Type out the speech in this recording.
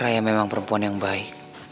raya memang perempuan yang baik